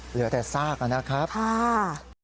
เหลือแต่ซากนะครับค่ะ